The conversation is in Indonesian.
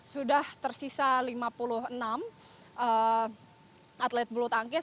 sudah tersisa lima puluh enam atlet bulu tangkis